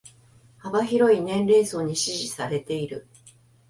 幅広い年齢層に支持されてる